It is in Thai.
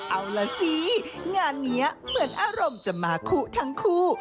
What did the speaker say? เอาล่ะสิงานนี้เหมือนอารมณ์จะมาคุทั้งคู่